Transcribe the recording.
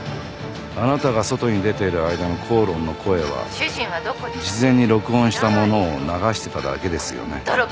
あなたが外に出ている間の口論の声は事前に録音したものを流してただけですよね。